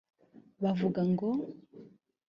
baravuga ngo